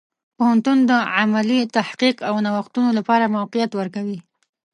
پوهنتون د علمي تحقیق او نوښتونو لپاره موقعیت ورکوي.